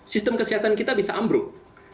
sistem kesehatan kita bisa ambruk